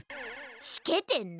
しけてんな。